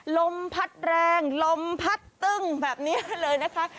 ลมพัดแรงลมพัดตึ้งแบบนี้เลยนะคะ